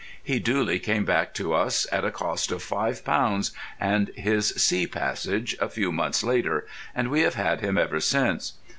He duly came back to us, at a cost of five pounds and his sea passage, a few months later, and we have had him ever since.